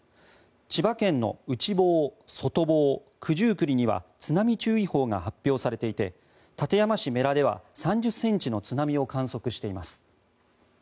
千葉県の内房、外房、九十九里には津波注意報が発表されていて館山市布良では３０ｃｍの津波を観測しています。